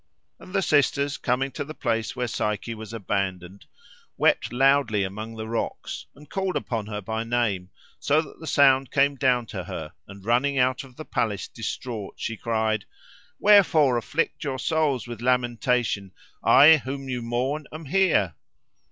And the sisters, coming to the place where Psyche was abandoned, wept loudly among the rocks, and called upon her by name, so that the sound came down to her, and running out of the palace distraught, she cried, "Wherefore afflict your souls with lamentation? I whom you mourn am here."